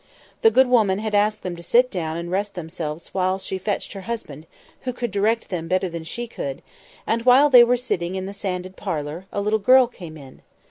The good woman had asked them to sit down and rest themselves while she fetched her husband, who could direct them better than she could; and, while they were sitting in the sanded parlour, a little girl came in.